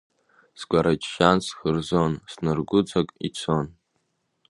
Скәараҷҷан схырзон, снаргәыҵак, ицон.